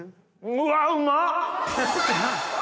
うわうまっ！